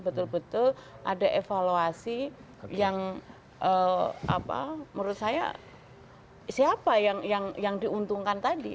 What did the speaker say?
betul betul ada evaluasi yang menurut saya siapa yang diuntungkan tadi